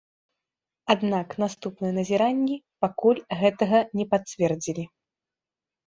Аднак наступныя назіранні пакуль гэтага не пацвердзілі.